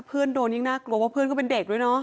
เพื่อนโดนยิ่งน่ากลัวว่าเพื่อนก็เป็นเด็กด้วยเนาะ